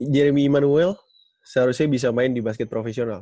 jireim imanuel seharusnya bisa main di basket profesional